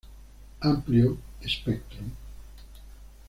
Amplio espectro.